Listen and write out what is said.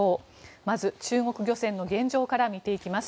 まず、中国漁船の現状から見ていきます。